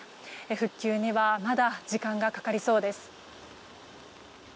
復旧にはまだ時間がかかりそうです。